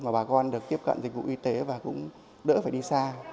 mà bà con được tiếp cận dịch vụ y tế và cũng đỡ phải đi xa